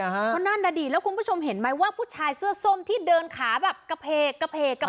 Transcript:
เพราะนั่นน่ะดิแล้วคุณผู้ชมเห็นไหมว่าผู้ชายเสื้อส้มที่เดินขาแบบกระเพกกระเพก